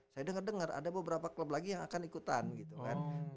saya dengar dengar ada beberapa klub lagi yang akan ikutan gitu kan